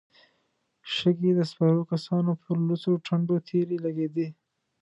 شګې د سپرو کسانو پر لوڅو ټنډو تېرې لګېدې.